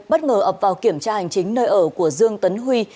bất ngờ ập vào kiểm tra hành chính nơi ở của dương tấn huy